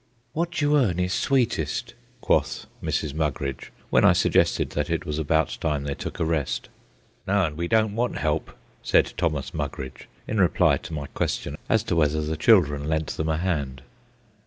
"What you earn is sweetest," quoth Mrs. Mugridge, when I suggested that it was about time they took a rest. "No, an' we don't want help," said Thomas Mugridge, in reply to my question as to whether the children lent them a hand.